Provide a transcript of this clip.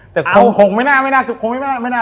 แต่คงไม่น่ามีอะไรนะครับ